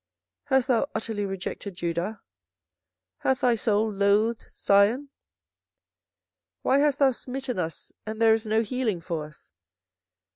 24:014:019 Hast thou utterly rejected Judah? hath thy soul lothed Zion? why hast thou smitten us, and there is no healing for us?